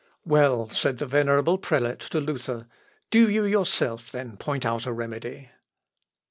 ] "Well," said the venerable prelate to Luther, "do you yourself then point out a remedy."